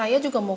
haa alsan pah